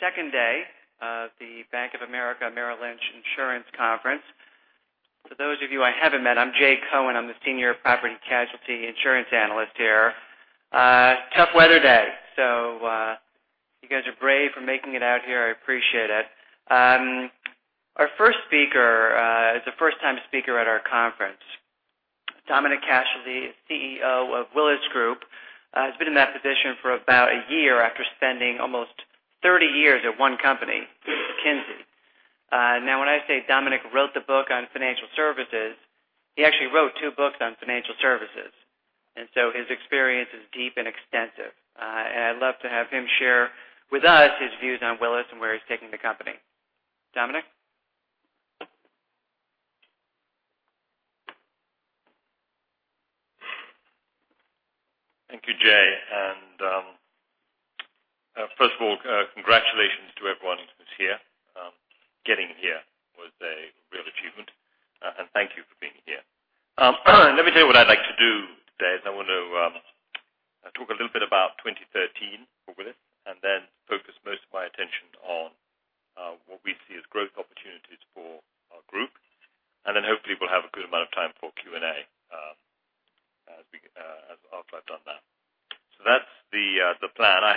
The second day of the Bank of America Merrill Lynch Insurance Conference. For those of you I haven't met, I'm Jay Cohen. I'm the Senior Property and Casualty Insurance Analyst here. Tough weather day, you guys are brave for making it out here. I appreciate it. Our first speaker is a first-time speaker at our conference. Dominic Casserley, CEO of Willis Group, has been in that position for about a year after spending almost 30 years at one company, McKinsey. When I say Dominic wrote the book on financial services, he actually wrote 2 books on financial services, and so his experience is deep and extensive. I'd love to have him share with us his views on Willis and where he's taking the company. Dominic? Thank you, Jay. First of all, congratulations to everyone who's here. Getting here was a real achievement, and thank you for being here. Let me tell you what I'd like to do today, I want to talk a little bit about 2013 for Willis, and then focus most of my attention on what we see as growth opportunities for our group. Hopefully we'll have a good amount of time for Q&A after I've done that. That's the plan. I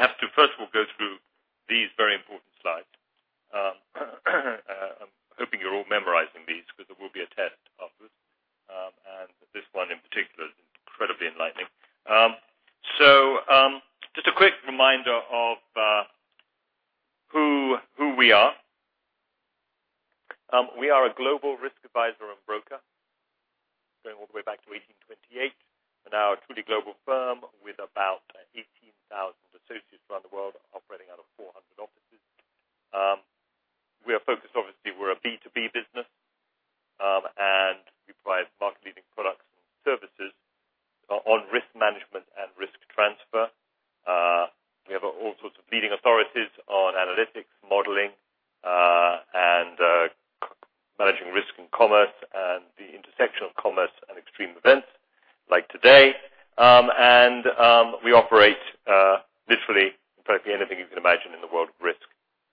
We operate literally practically anything you can imagine in the world of risk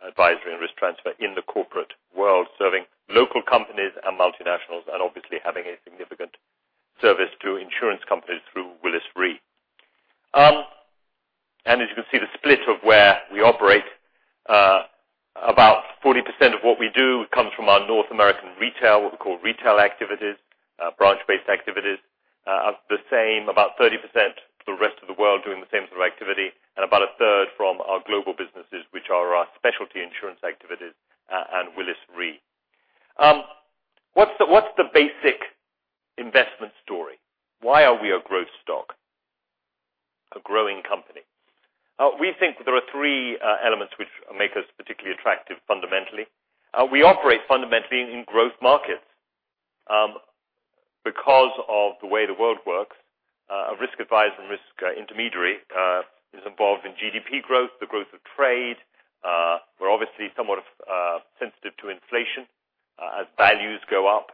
advisory and risk transfer in the corporate world, serving local companies and multinationals and obviously having a significant service to insurance companies through Willis Re. As you can see, the split of where we operate. About 40% of what we do comes from our North American retail, what we call retail activities, branch-based activities. The same, about 30%, to the rest of the world doing the same sort of activity. About a third from our global businesses, which are our specialty insurance activities and Willis Re. What's the basic investment story? Why are we a growth stock? A growing company? We think that there are three elements which make us particularly attractive fundamentally. We operate fundamentally in growth markets. Because of the way the world works, a risk advisor and risk intermediary is involved in GDP growth, the growth of trade. We're obviously somewhat sensitive to inflation as values go up.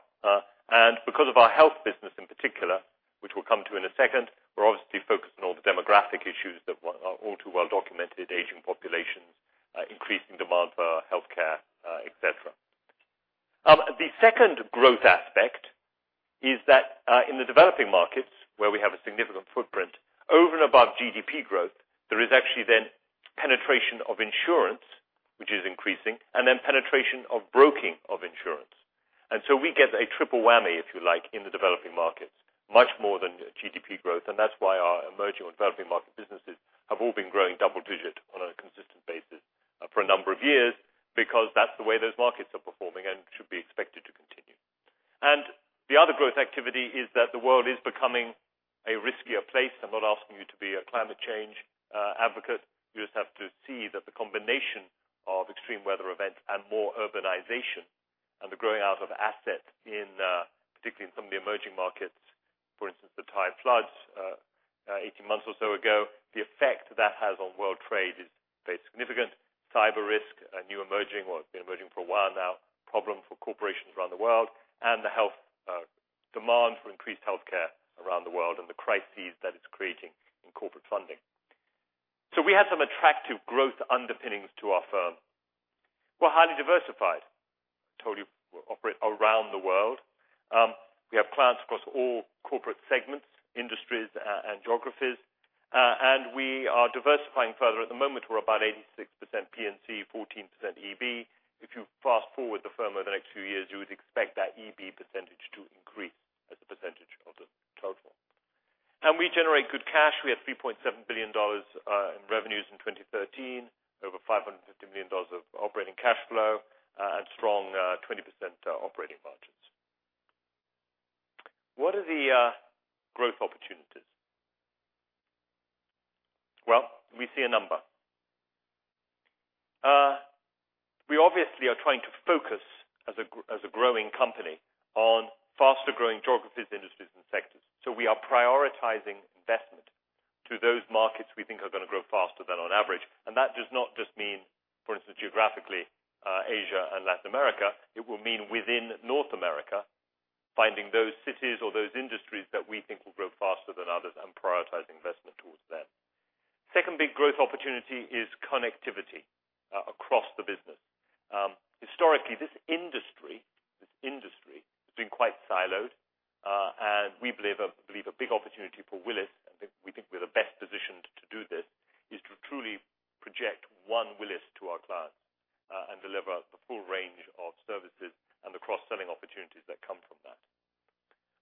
Because of our health business in particular, which we'll come to in a second, we're obviously focused on all the demographic issues that are all too well documented. Aging populations, increasing demand for healthcare, et cetera. The second growth aspect is that in the developing markets, where we have a significant footprint, over and above GDP growth, there is actually then penetration of insurance, which is increasing, and then penetration of broking of insurance. We get a triple whammy, if you like, in the developing markets, much more than GDP growth, and that's why our emerging or developing market businesses have all been growing double-digit on a consistent basis for a number of years, because that's the way those markets are performing and should be expected to continue. The other growth activity is that the world is becoming a riskier place. I'm not asking you to be a climate change advocate. You just have to see that the combination of extreme weather events and more urbanization and the growing out of asset, particularly in some of the emerging markets, for instance, the Thai floods 18 months or so ago. The effect that has on world trade is very significant. Cyber risk, a new emerging, or has been emerging for a while now, problem for corporations around the world, and the health demand for increased healthcare around the world and the crises that it's creating in corporate funding. We have some attractive growth underpinnings to our firm. We're highly diversified. I told you we operate around the world. We have clients across all corporate segments, industries, and geographies. We are diversifying further. At the moment, we're about 86% P&C, 14% EB. If you fast-forward the firm over the next few years, you would expect that EB percentage to increase as a percentage of the total. We generate good cash. We had $3.7 billion in revenues in 2013, over $550 million of operating cash flow, and strong 20% operating margins. What are the growth opportunities? We see a number. We obviously are trying to focus, as a growing company, on faster-growing geographies, industries, and sectors. We are prioritizing investment to those markets we think are going to grow faster than on average. That does not just mean, for instance, geographically, Asia and Latin America. It will mean within North America, finding those cities or those industries that we think will grow faster than others and prioritize investment towards them. Second big growth opportunity is connectivity across the business. Historically, this industry has been quite siloed. We believe a big opportunity for Willis, and we think we're the best positioned to do this, is to truly project one Willis to our clients and deliver the full range of services and the cross-selling opportunities that come from that.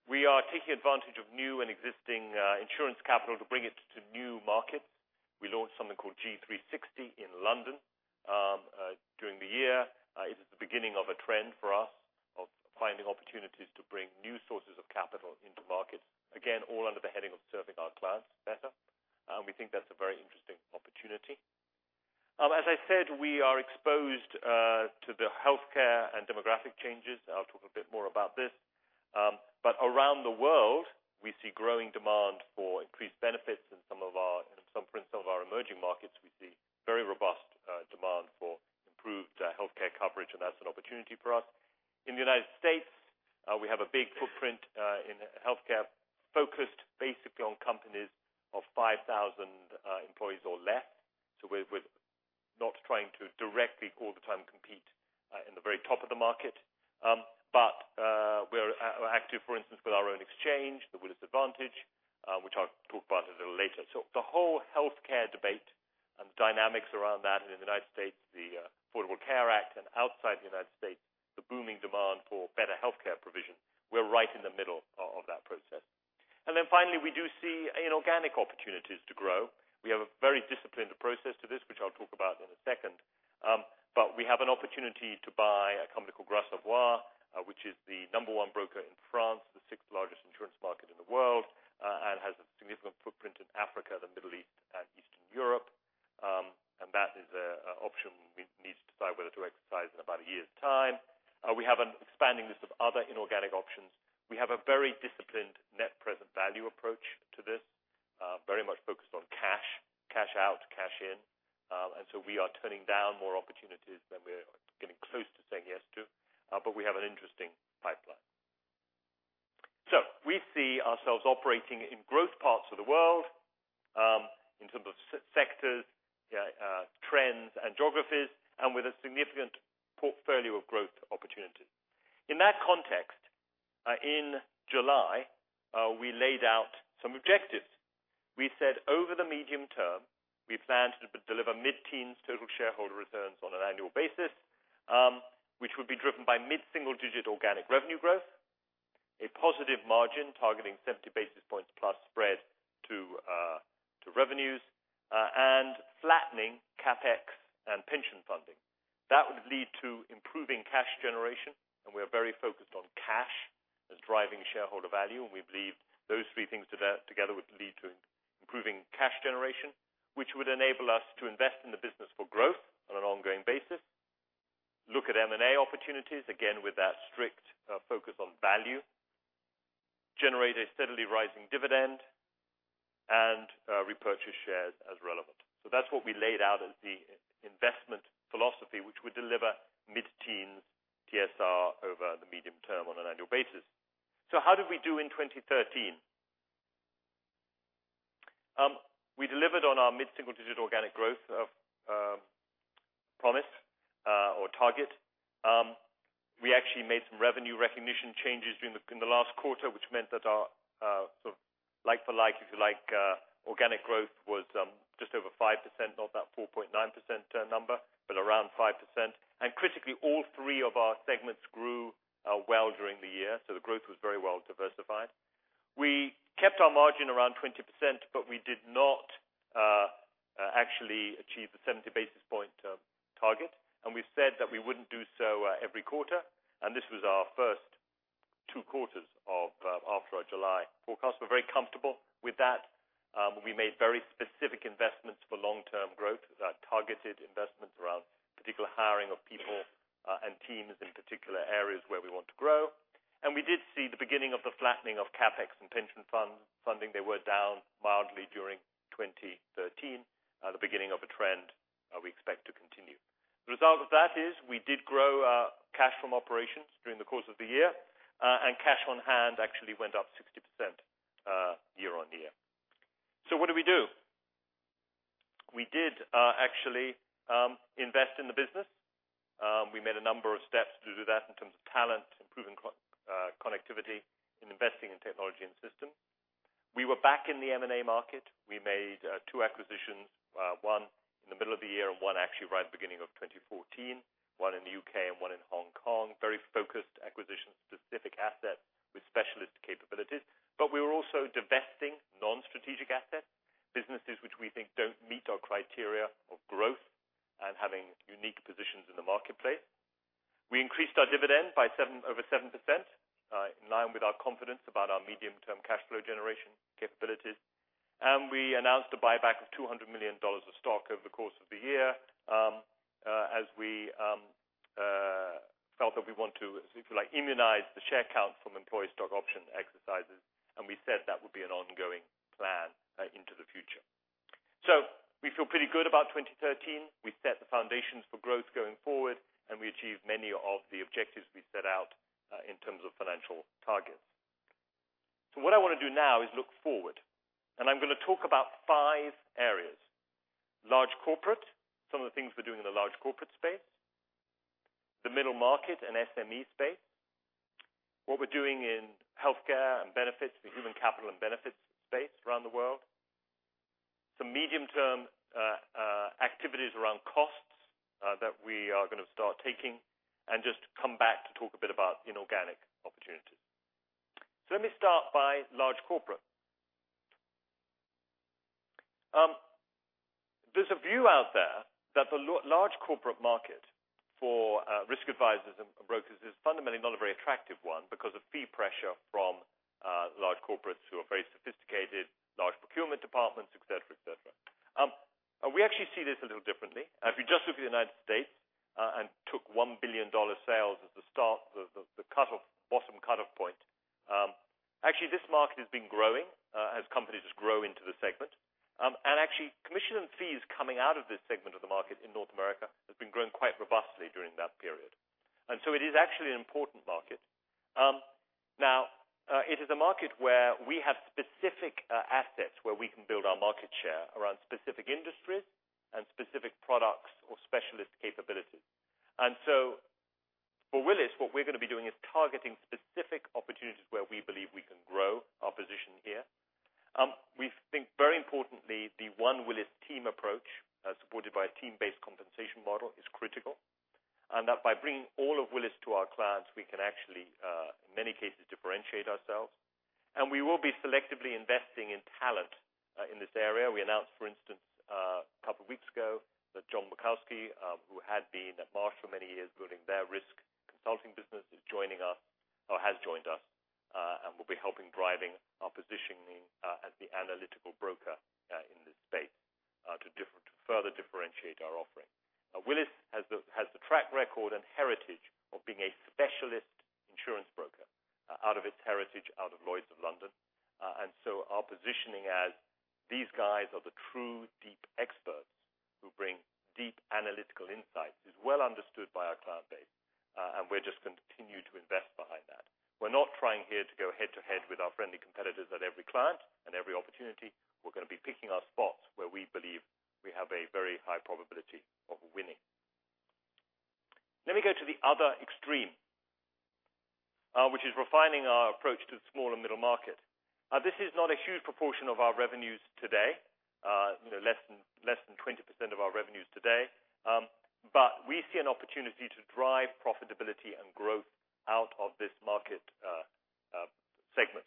We are taking advantage of new and existing insurance capital to bring it to new markets. We launched something called G360 in London during the year. It is the beginning of a trend for us of finding opportunities to bring new sources of capital into markets. Again, all under the heading of serving our clients better. We think that's a very interesting opportunity. As I said, we are exposed to the healthcare and demographic changes. I'll talk a bit more about this. Around the world, we see growing demand for increased benefits. In some of our emerging markets, we see very robust demand for improved healthcare coverage, and that's an opportunity for us. In the United States, we have a big footprint in healthcare focused basically on companies of 5,000 employees or less. We're not trying to directly all the time compete in the very top of the market. We're active, for instance, with our own exchange, the Willis Advantage, which I'll talk about a little later. The whole healthcare debate and the dynamics around that in the United States, the Affordable Care Act, and outside the United States, the booming demand for better healthcare provision, we're right in the middle of that process. Finally, we do see inorganic opportunities to grow. We have a very disciplined process to this, which I'll talk about in a second. We have an opportunity to buy a company called Gras Savoye, which is the number one broker in France, the sixth largest insurance market in the world, and has a significant footprint in Africa, the Middle East, and Eastern Europe. That is an option we need to decide whether to exercise in about a year's time. We have an expanding list of other inorganic options. We have a very disciplined net present value approach to this, very much focused on cash, cash out, cash in. We are turning down more opportunities than we are getting close to saying yes to, but we have an interesting pipeline. We see ourselves operating in growth parts of the world, in terms of sectors, trends, and geographies, and with a significant portfolio of growth opportunities. In that context, in July, we laid out some objectives. We said over the medium term, we plan to deliver mid-teens total shareholder returns on an annual basis which would be driven by mid-single-digit organic revenue growth, a positive margin targeting 70 basis points plus spread to revenues, and flattening CapEx and pension funding. That would lead to improving cash generation, and we are very focused on cash as driving shareholder value. We believe those three things together would lead to improving cash generation, which would enable us to invest in the business for growth on an ongoing basis. Look at M&A opportunities, again, with that strict focus on value, generate a steadily rising dividend, and repurchase shares as relevant. That's what we laid out as the investment philosophy, which would deliver mid-teen TSR over the medium term on an annual basis. How did we do in 2013? We delivered on our mid-single-digit organic growth promise or target. We actually made some revenue recognition changes in the last quarter, which meant that our like for like, if you like, organic growth was just over 5%, not that 4.9% number, but around 5%. Critically, all three of our segments grew well during the year. The growth was very well diversified. We kept our margin around 20%, but we did not actually achieve the 70 basis point target, and we've said that we wouldn't do so every quarter, this was our first two quarters after our July forecast. We're very comfortable with that. We made very specific investments for long-term growth, targeted investments around particular hiring of people and teams in particular areas where we want to grow. We did see the beginning of the flattening of CapEx and pension funding. They were down mildly during 2013, the beginning of a trend we expect to continue. The result of that is we did grow our cash from operations during the course of the year, and cash on hand actually went up 60% year-on-year. What did we do? We did actually invest in the business. We made a number of steps to do that in terms of talent, improving connectivity, and investing in technology and systems. We were back in the M&A market. We made two acquisitions, one in the middle of the year and one actually right at the beginning of 2014, one in the U.K. and one in Hong Kong. Very focused acquisition specific asset with specialist capabilities. We were also divesting non-strategic assets, businesses which we think don't meet our criteria of growth and having unique positions in the marketplace. We increased our dividend by over 7%, in line with our confidence about our medium-term cash flow generation capabilities. We announced a buyback of $200 million of stock over the course of the year as we felt that we want to, if you like, immunize the share count from employee stock option exercises, and we said that would be an ongoing plan into the future. We feel pretty good about 2013. We set the foundations for growth going forward, and we achieved many of the objectives we set out in terms of financial targets. What I want to do now is look forward, and I am going to talk about five areas. Large corporate, some of the things we are doing in the large corporate space, the middle market and SME space, what we are doing in healthcare and benefits, the human capital and benefits space around the world, some medium-term activities around costs that we are going to start taking, and just come back to talk a bit about inorganic opportunities. Let me start by large corporate. There is a view out there that the large corporate market for risk advisors and brokers is fundamentally not a very attractive one because of fee pressure from large corporates who are very sophisticated, large procurement departments, et cetera. We actually see this a little differently. If you just look at the United States, and took $1 billion sales as the bottom cutoff point, actually, this market has been growing as companies grow into the segment. Actually, commission and fees coming out of this segment of the market in North America has been growing quite robustly during that period. It is actually an important market. Now, it is a market where we have specific assets where we can build our market share around specific industries and specific products or specialist capabilities. For Willis, what we are going to be doing is targeting specific opportunities where we believe we can grow our position here. We think very importantly, the one Willis team approach, supported by a team-based compensation model, is critical, and that by bringing all of Willis to our clients, we can actually, in many cases, differentiate ourselves. We will be selectively investing in talent in this area. We announced, for instance, a couple of weeks ago that John Merkovsky, who had been at Marsh for many years building their risk consulting business, is joining us or has joined us, and will be helping driving our positioning as the analytical broker in this space to further differentiate our offering. Willis has the track record and heritage of being a specialist insurance broker out of its heritage out of Lloyd's of London. Our positioning as these guys are the true deep experts who bring deep analytical insights is well understood by our client base, and we just continue to invest behind that. We're not trying here to go head to head with our friendly competitors at every client and every opportunity. We're going to be picking our spots where we believe we have a very high probability of winning. Let me go to the other extreme, which is refining our approach to the small and middle market. This is not a huge proportion of our revenues today, less than 20% of our revenues today. We see an opportunity to drive profitability and growth out of this market segment.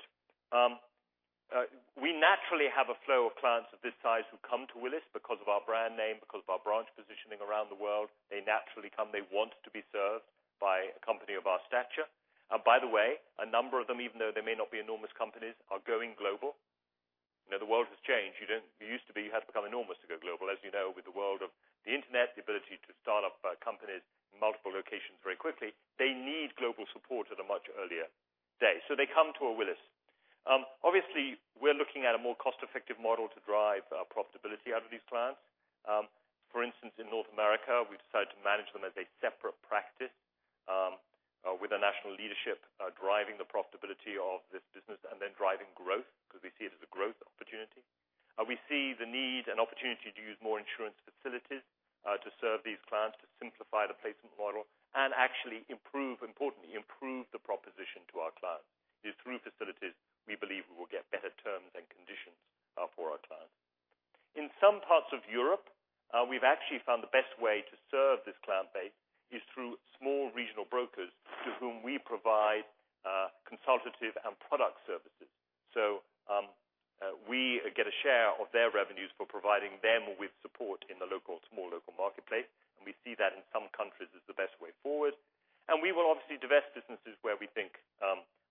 We naturally have a flow of clients of this size who come to Willis because of our brand name, because of our branch positioning around the world. They naturally come. They want to be served by a company of our stature. By the way, a number of them, even though they may not be enormous companies, are going global. The world has changed. It used to be you had to become enormous to go global. As you know, with the world of the internet, the ability to start up companies in multiple locations very quickly, they need global support at a much earlier day. They come to Willis. Obviously, we're looking at a more cost-effective model to drive profitability out of these clients. For instance, in North America, we've decided to manage them as a separate practice with a national leadership driving the profitability of this business and then driving growth because we see it as a growth opportunity. We see the need and opportunity to use more insurance facilities to serve these clients, to simplify the placement model and actually importantly improve the proposition to our clients, is through facilities we believe we will get better terms and conditions for our clients. In some parts of Europe, we've actually found the best way to serve this client base is through small regional brokers to whom we provide consultative and product services. We get a share of their revenues for providing them with support in the small local marketplace, and we see that in some countries as the best way forward. We will obviously divest businesses where we think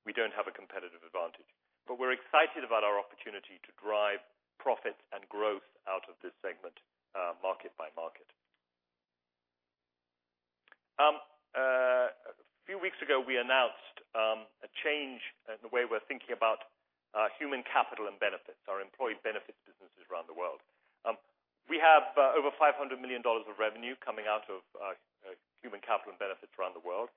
we don't have a competitive advantage. We're excited about our opportunity to drive profits and growth out of this segment market by market. A few weeks ago, we announced a change in the way we're thinking about human capital and benefits, our employee benefits businesses around the world. We have over $500 million of revenue coming out of human capital and benefits around the world.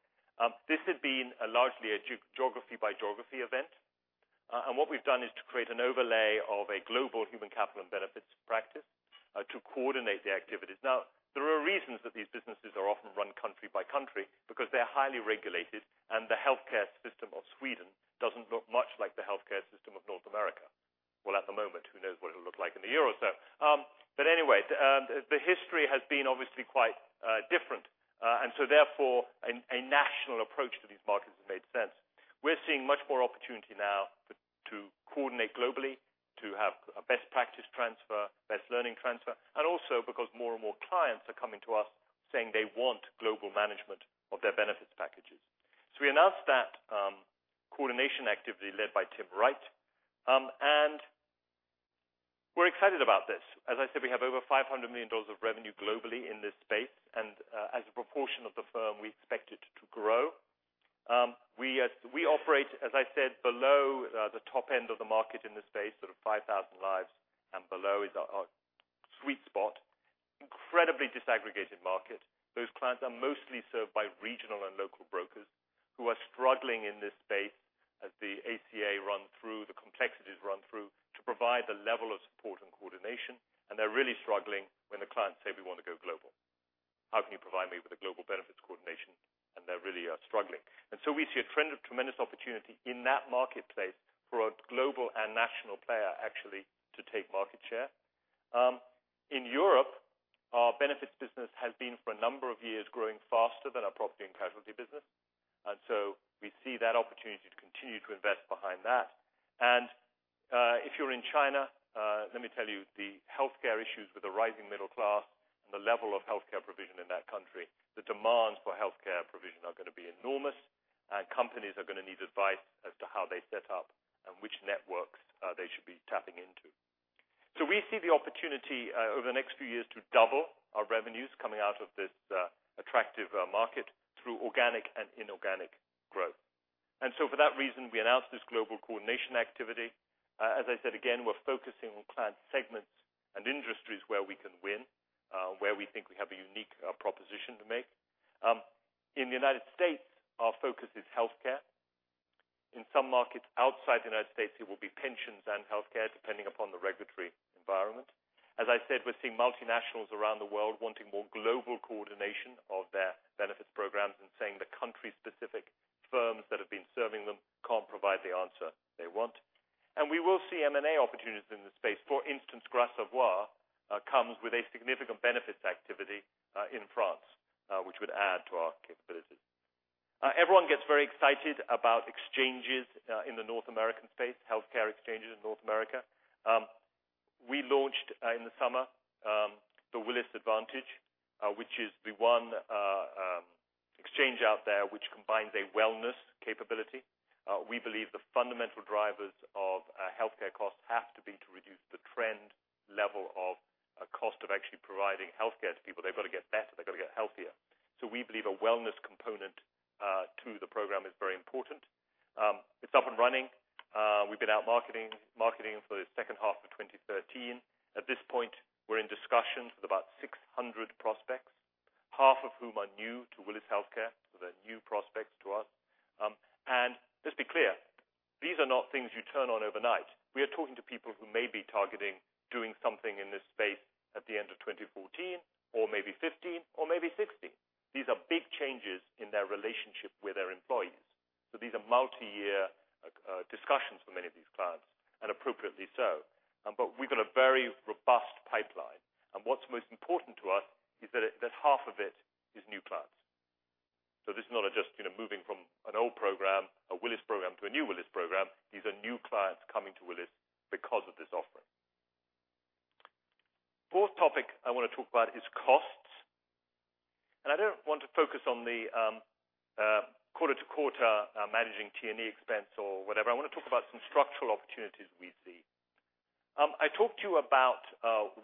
This had been largely a geography by geography event. What we've done is to create an overlay of a global human capital and benefits practice to coordinate the activities. There are reasons that these businesses are often run country by country because they're highly regulated and the healthcare system of Sweden doesn't look much like the healthcare system of North America. At the moment, who knows what it'll look like in a year or so. The history has been obviously quite different, therefore, a national approach to these markets has made sense. We're seeing much more opportunity now to coordinate globally, to have a best practice transfer, best learning transfer, and also because more and more clients are coming to us saying they want global management of their benefits packages. We announced that coordination activity led by Tim Wright, and we're excited about this. As I said, we have over $500 million of revenue globally in this space, and as a proportion of the firm, we expect it to grow. We operate, as I said, below the top end of the market in this space. Sort of 5,000 lives and below is our sweet spot. Incredibly disaggregated market. Those clients are mostly served by regional and local brokers who are struggling in this space as the ACA run through, the complexities run through, to provide the level of support and coordination, and they're really struggling when the clients say, "We want to go global. How can you provide me with a global benefits coordination?" They really are struggling. We see a tremendous opportunity in that marketplace for a global and national player actually to take market share. In Europe, our benefits business has been for a number of years growing faster than our property and casualty business. We see that opportunity to continue to invest behind that. If you're in China, let me tell you, the healthcare issues with the rising middle class and the level of healthcare provision in that country, the demands for healthcare provision are going to be enormous. Companies are going to need advice as to how they set up and which networks they should be tapping into. We see the opportunity over the next few years to double our revenues coming out of this attractive market through organic and inorganic growth. For that reason, we announced this global coordination activity. As I said, again, we're focusing on client segments and industries where we can win, where we think we have a unique proposition to make. In the United States, our focus is healthcare. In some markets outside the United States, it will be pensions and healthcare, depending upon the regulatory environment. As I said, we're seeing multinationals around the world wanting more global coordination of their benefits programs and saying the country-specific firms that have been serving them can't provide the answer they want. We will see M&A opportunities in this space. For instance, Gras Savoye comes with a significant benefits activity in France, which would add to our capabilities. Everyone gets very excited about exchanges in the North American space, healthcare exchanges in North America. We launched in the summer, the Willis Advantage, which is the one exchange out there which combines a wellness capability. We believe the fundamental drivers of healthcare costs have to be to reduce the trend level of cost of actually providing healthcare to people. They've got to get better. They've got to get healthier. We believe a wellness component to the program is very important. It's up and running. We've been out marketing for the second half of 2013. At this point, we're in discussions with about 600 prospects, half of whom are new to Willis Healthcare. They're new prospects to us. Just be clear, these are not things you turn on overnight. We are talking to people who may be targeting doing something in this space at the end of 2014 or maybe 2015 or maybe 2016. These are big changes in their relationship with their employees. These are multi-year discussions for many of these clients, and appropriately so. We've got a very robust pipeline. What's most important to us is that half of it is new clients. This is not just moving from an old program, a Willis program, to a new Willis program. These are new clients coming to Willis because of this offering. Fourth topic I want to talk about is costs. I don't want to focus on the quarter-to-quarter managing T&E expense or whatever. I want to talk about some structural opportunities we see. I talked to you about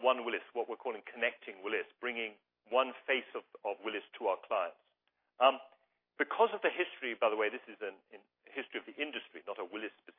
one Willis, what we're calling Connecting Willis, bringing one face of Willis to our clients. Because of the history, by the way, this is a history of the industry, not a Willis specific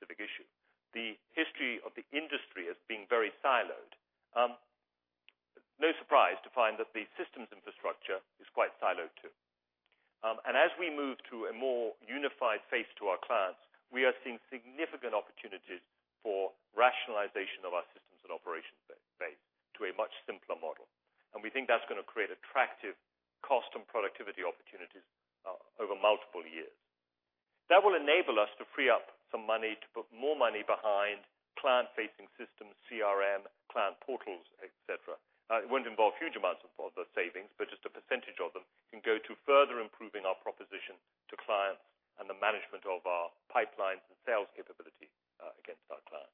issue. The history of the industry as being very siloed. No surprise to find that the systems infrastructure is quite siloed too. As we move to a more unified face to our clients, we are seeing significant opportunities for rationalization of our systems and operations base to a much simpler model. We think that's going to create attractive cost and productivity opportunities over multiple years. That will enable us to free up some money to put more money behind client-facing systems, CRM, client portals, et cetera. It won't involve huge amounts of savings, but just a percentage of them can go to further improving our proposition to clients and the management of our pipelines and sales capability against our clients.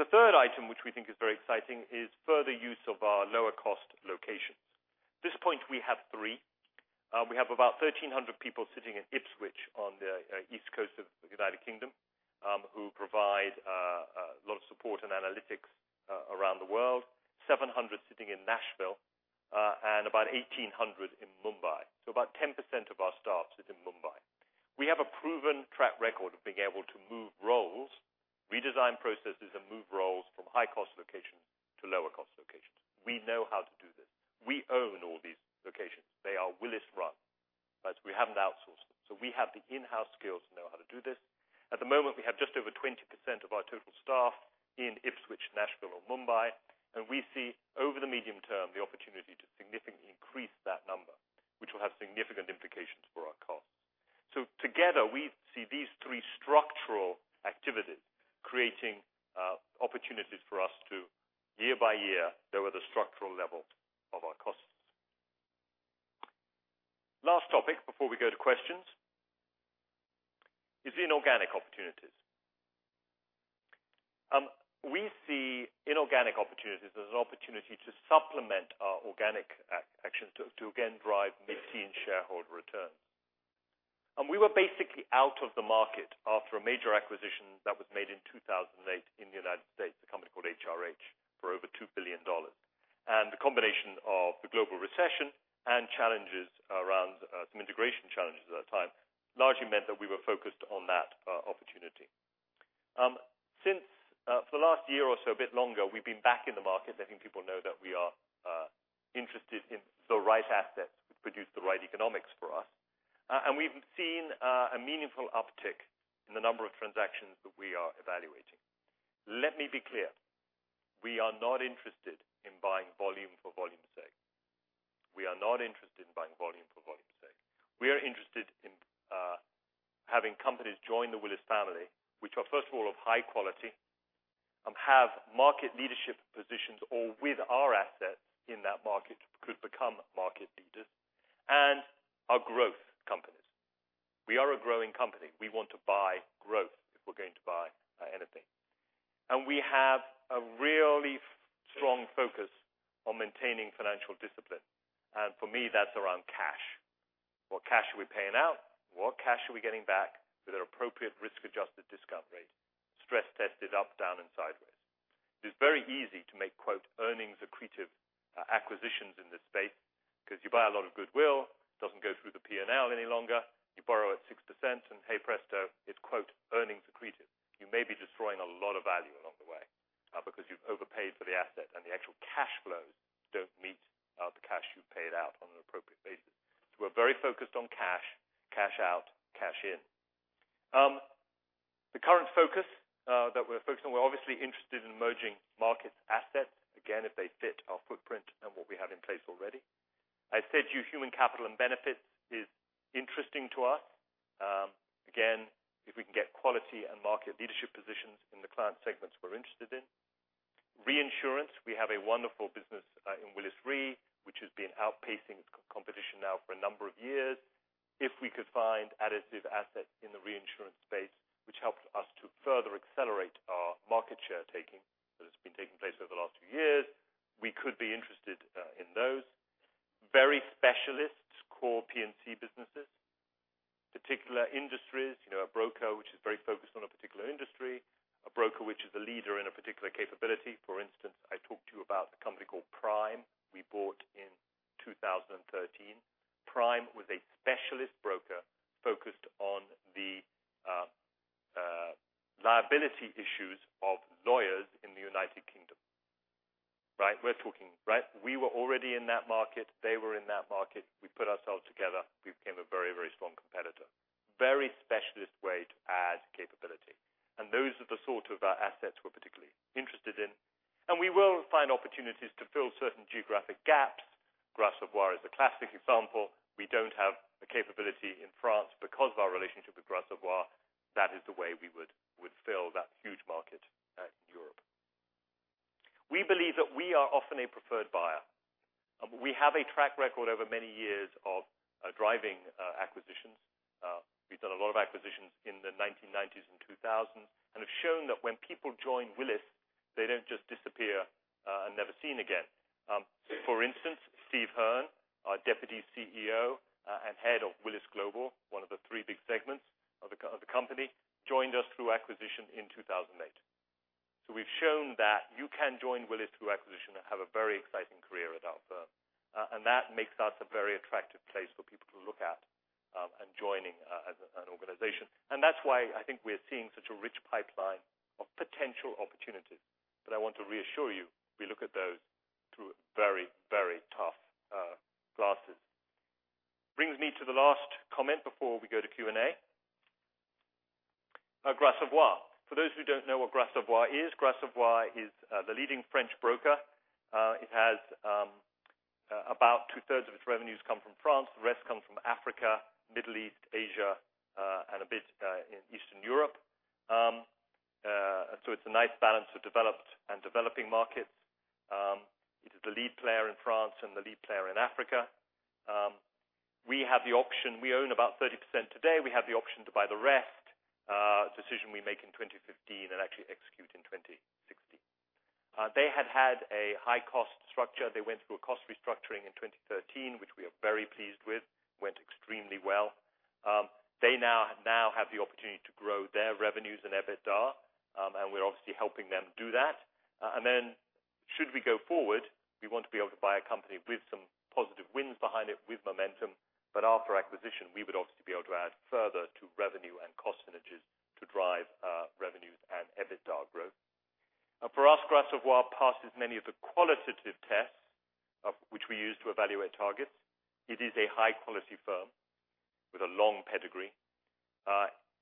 The third item, which we think is very exciting, is further use of our lower cost locations. At this point, we have three. We have about 1,300 people sitting in Ipswich on the east coast of the United Kingdom, who provide a lot of support and analytics around the world. 700 sitting in Nashville, and about 1,800 in Mumbai. About 10% of our staff sits in Mumbai. We have a proven track record of being able to move roles, redesign processes, and move roles from high-cost locations to lower-cost locations. We know how to do this. We own all these locations. They are Willis-run. We haven't outsourced them. We have the in-house skills to know how to do this. At the moment, we have just over 20% of our total staff in Ipswich, Nashville, or Mumbai, and we see over the medium term, the opportunity to significantly increase that number, which will have significant implications for our costs. Together, we see these three structural activities creating opportunities for us to year by year lower the structural level of our costs. Last topic before we go to questions is inorganic opportunities. We see inorganic opportunities as an opportunity to supplement our organic actions to again drive mid-teen shareholder returns. We were basically out of the market after a major acquisition that was made in 2008 in the United States, a company called HRH for over $2 billion. The combination of the global recession and some integration challenges at that time largely meant that we were focused on that opportunity. For the last year or so, a bit longer, we've been back in the market. I think people know that we are interested in the right assets that produce the right economics for us. We've seen a meaningful uptick in the number of transactions that we are evaluating. Let me be clear, we are not interested in buying volume for volume's sake. We are interested in having companies join the Willis family, which are first of all, of high quality, have market leadership positions, or with our assets in that market could become market leaders, and are growth companies. We are a growing company. We want to buy growth if we're going to buy anything. We have a really strong focus on maintaining financial discipline. For me, that's around cash. What cash are we paying out? What cash are we getting back with an appropriate risk-adjusted discount rate, stress-tested up, down, and sideways? It is very easy to make, "earnings accretive acquisitions" in this space because you buy a lot of goodwill, it doesn't go through the P&L any longer. You borrow at 6%, hey, presto, it's "earnings accretive." You may be destroying a lot of value along the way because you've overpaid for the asset, and the actual cash flows don't meet the cash you paid out on an appropriate basis. We're very focused on cash, cash out, cash in. The current focus that we're focused on, we're obviously interested in emerging markets assets. Again, if they fit our footprint and what we have in place already. I said to you human capital and benefits is interesting to us. Again, if we can get quality and market leadership positions in the client segments we're interested in. Reinsurance, we have a wonderful business in Willis Re, which has been outpacing its competition now for a number of years. If we could find additive assets in the reinsurance space, which helps us to further accelerate our market share taking that has been taking place over the last few years, we could be interested in those. Very specialist core P&C businesses, particular industries, a broker which is very focused on a particular industry, a broker which is a leader in a particular capability. For instance, I talked to you about a company called Prime we bought in 2013. Prime was a specialist broker focused on the liability issues of lawyers in the United Kingdom. We were already in that market. They were in that market. We put ourselves together. We became a very, very strong competitor. Very specialist way to add capability. Those are the sort of assets we're particularly interested in. We will find opportunities to fill certain geographic gaps. Gras Savoye is a classic example. We don't have the capability in France. Because of our relationship with Gras Savoye, that is the way we would fill that huge market in Europe. We believe that we are often a preferred buyer. We have a track record over many years of driving acquisitions. We've done a lot of acquisitions in the 1990s and 2000s and have shown that when people join Willis, they don't just disappear and never seen again. For instance, Steve Hearn, our Deputy CEO and Head of Willis Global, one of the three big segments of the company, joined us through acquisition in 2008. We've shown that you can join Willis through acquisition and have a very exciting career at our firm. That makes us a very attractive place for people to look at and joining an organization. That's why I think we're seeing such a rich pipeline of potential opportunities. I want to reassure you, we look at those through very tough glasses. Brings me to the last comment before we go to Q&A. Gras Savoye. For those who don't know what Gras Savoye is, Gras Savoye is the leading French broker. About 2/3 of its revenues come from France, the rest come from Africa, Middle East, Asia, and a bit in Eastern Europe. It's a nice balance of developed and developing markets. It is the lead player in France and the lead player in Africa. We own about 30% today. We have the option to buy the rest. A decision we make in 2015 and actually execute in 2016. They had had a high-cost structure. They went through a cost restructuring in 2013, which we are very pleased with. Went extremely well. They now have the opportunity to grow their revenues and EBITDA, and we're obviously helping them do that. Should we go forward, we want to be able to buy a company with some positive winds behind it with momentum, but after acquisition, we would obviously be able to add further to revenue and cost synergies to drive revenues and EBITDA growth. For us, Gras Savoye passes many of the qualitative tests of which we use to evaluate targets. It is a high-quality firm with a long pedigree.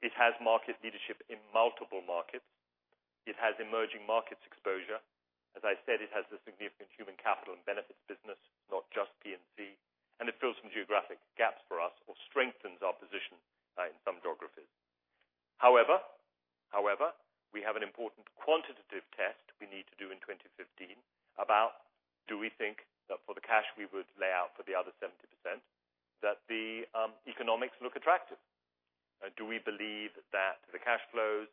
It has market leadership in multiple markets. It has emerging markets exposure. As I said, it has a significant human capital and benefits business, not just P&C, and it fills some geographic gaps for us or strengthens our position in some geographies. However, we have an important quantitative test we need to do in 2015 about do we think that for the cash we would lay out for the other 70%, that the economics look attractive? Do we believe that the cash flows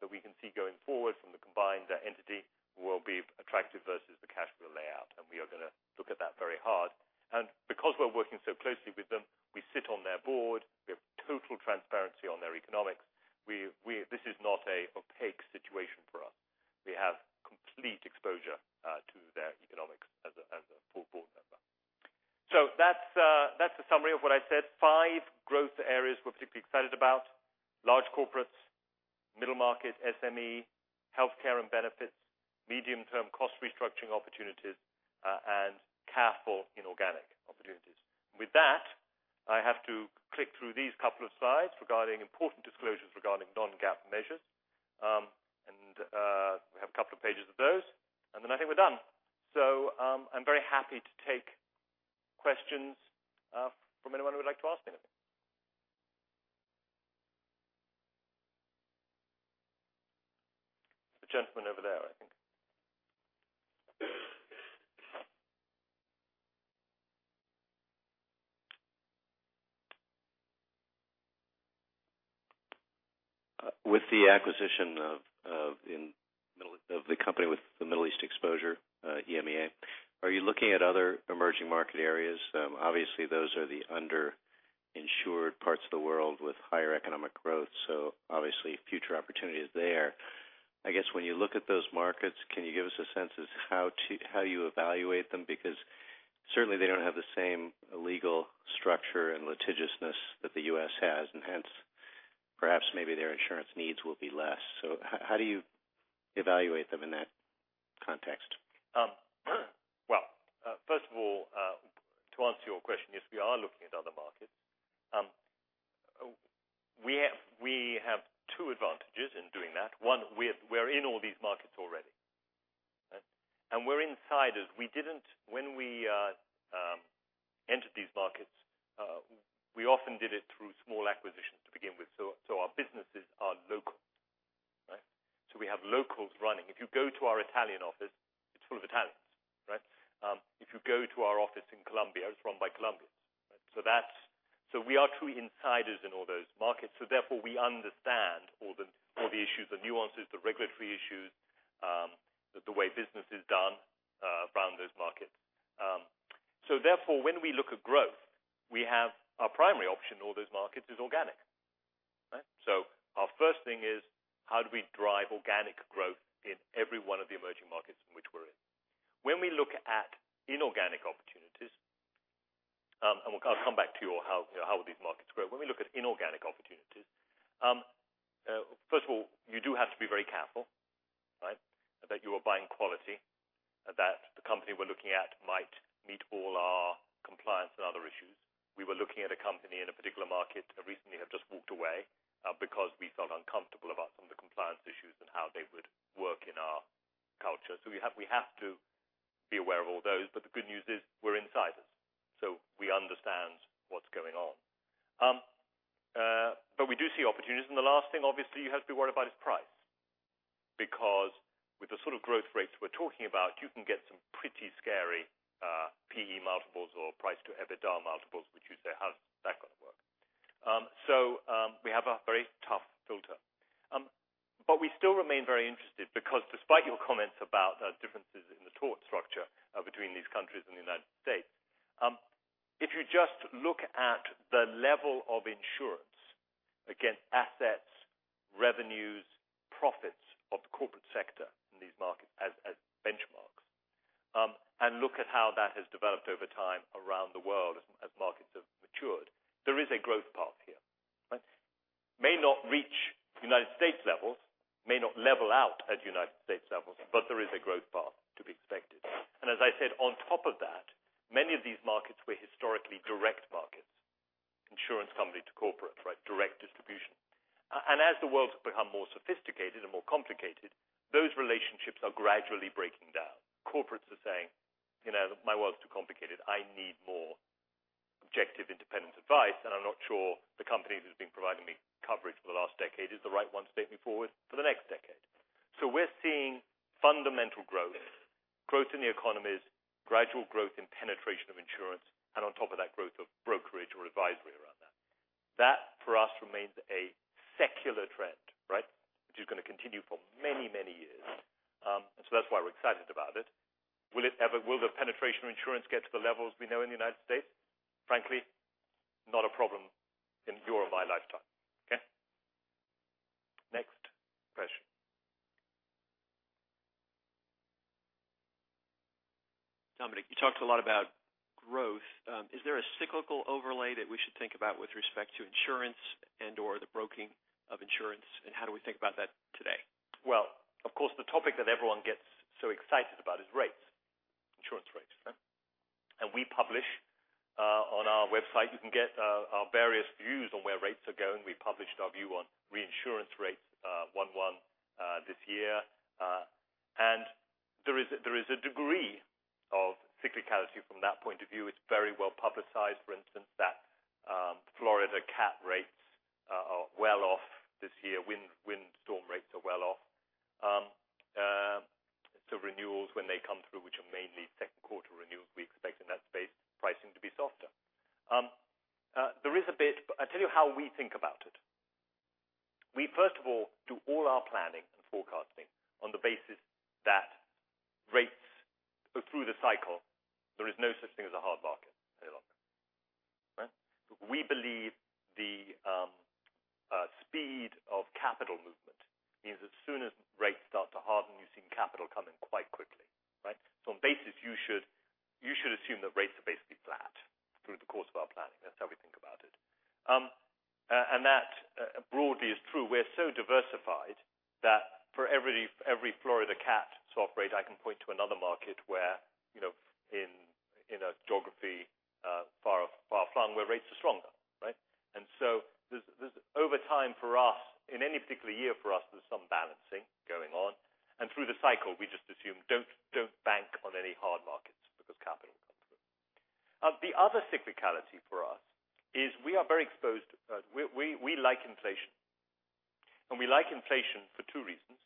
that we can see going forward from the combined entity will be attractive versus the cash we lay out? We are going to look at that very hard. Because we're working so closely with them, we sit on their board, we have total transparency on their economics. This is not an opaque situation for us. We have complete exposure to their economics as a board member. That's the summary of what I said. Five growth areas we're particularly excited about. Large corporates, middle market, SME, healthcare and benefits, medium-term cost restructuring opportunities, and careful inorganic opportunities. With that, I have to click through these couple of slides regarding important disclosures regarding non-GAAP measures. We have a couple of pages of those. I think we're done. I'm very happy to take questions from anyone who would like to ask anything. The gentleman over there, I think. With the acquisition of the company with the Middle East exposure, EMEA, are you looking at other emerging market areas? Obviously, those are the under-insured parts of the world with higher economic growth. Obviously future opportunities there. I guess when you look at those markets, can you give us a sense of how you evaluate them? Certainly they don't have the same legal structure and litigiousness that the U.S. has, and hence perhaps maybe their insurance needs will be less. How do you evaluate them in that context? Well, first of all, to answer your question, yes, we are looking at other markets. We have two advantages in doing that. One, we're in all these markets already. We're insiders. When we entered these markets, we often did it through small acquisitions to begin with. Our businesses are local. We have locals running. If you go to our Italian office, it's full of Italians. If you go to our office in Colombia, it's run by Colombians. We are truly insiders in all those markets, so therefore we understand all the issues, the nuances, the regulatory issues, the way business is done around those markets. Therefore, when we look at growth, our primary option in all those markets is organic. Our first thing is how do we drive organic growth in every one of the emerging markets in which we're in? When we look at inorganic opportunities, and I'll come back to you on how will these markets grow. When we look at inorganic opportunities, first of all, you do have to be very careful that you are buying quality, that the company we're looking at might meet all our compliance and other issues. We were looking at a company in a particular market recently, have just walked away because we felt uncomfortable about some of the compliance issues and how they would work in our culture. We have to be aware of all those. The good news is we're insiders, so we understand what's going on. We do see opportunities. The last thing obviously you have to be worried about is price. With the sort of growth rates we're talking about, you can get some pretty scary PE multiples or price to EBITDA multiples, which you say, how's that going to work? We have a very tough filter. We still remain very interested because despite your comments about differences in the tort structure between these countries and the United States, if you just look at the level of insurance against assets, revenues, profits of the corporate sector in these markets as benchmarks, and look at how that has developed over time around the world as markets have matured, there is a growth path here. It may not reach United States levels, may not level out at United States levels, but there is a growth path to be expected. As I said, on top of that, many of these markets were historically direct markets, insurance company to corporate, direct distribution. As the world has become more sophisticated and more complicated, those relationships are gradually breaking down. Corporates are saying, "My world's too complicated. I need more objective, independent advice, and I'm not sure the company that has been providing me coverage for the last decade is the right one to take me forward for the next decade." We're seeing fundamental growth, growth in the economies, gradual growth in penetration of insurance, and on top of that, growth of brokerage or advisory around that. That, for us, remains a secular trend which is going to continue for many, many years. That's why we're excited about it. Will the penetration of insurance get to the levels we know in the United States? Frankly, not a problem in your or my lifetime. Okay? Next question. Dominic, you talked a lot about growth. Is there a cyclical overlay that we should think about with respect to insurance and/or the broking of insurance, and how do we think about that today? Of course, the topic that everyone gets so excited about is rates, insurance rates. We publish on our website, you can get our various views on where rates are going. We published our view on reinsurance rates one-one this year. There is a degree of cyclicality from that point of view. It's very well publicized, for instance, that Florida cat rates are well off this year. Windstorm rates are well off. Renewals, when they come through, which are mainly second quarter renewals, we expect in that space pricing to be softer. I'll tell you how we think about it. We, first of all, do all our planning and forecasting on the basis that rates go through the cycle. There is no such thing as a hard market. Right? We believe the speed of capital movement means as soon as rates start to harden, you see capital coming quite quickly. Right? On basis, you should assume that rates are basically flat through the course of our planning. That's how we think about it. That broadly is true. We're so diversified that for every Florida cat to operate, I can point to another market where, in a geography far flung where rates are stronger. Right? Over time for us, in any particular year for us, there's some balancing going on. Through the cycle, we just assume don't bank on any hard markets because capital will come through. The other cyclicality for us is we are very exposed. We like inflation. We like inflation for two reasons.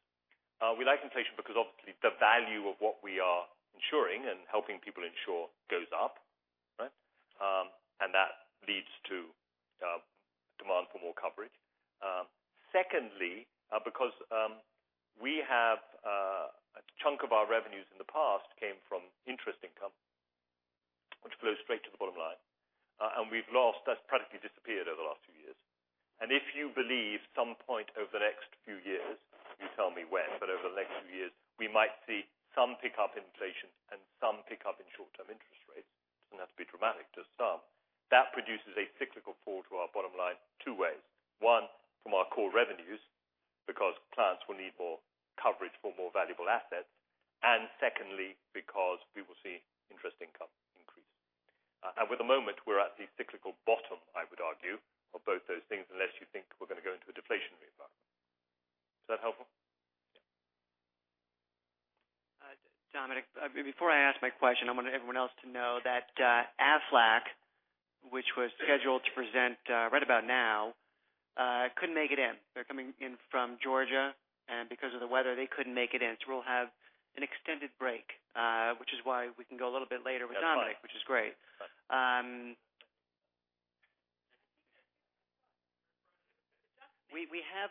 We like inflation because obviously the value of what we are insuring and helping people insure goes up. Right? That leads to demand for more coverage. Secondly, because we have a chunk of our revenues in the past came from interest income, which flows straight to the bottom line. That's practically disappeared over the last few years. If you believe some point over the next few years, you tell me when, but over the next few years, we might see some pickup in inflation and some pickup in short-term interest rates. Doesn't have to be dramatic, just some. That produces a cyclical fall to our bottom line two ways. One, from our core revenues, because clients will need more coverage for more valuable assets. Secondly, because we will see interest income increase. With the moment we're at the cyclical bottom, I would argue, of both those things, unless you think we're going to go into a deflationary environment. Is that helpful? Dominic, before I ask my question, I want everyone else to know that Aflac, which was scheduled to present right about now, couldn't make it in. They're coming in from Georgia, because of the weather, they couldn't make it in. We'll have an extended break, which is why we can go a little bit later with Dominic, which is great.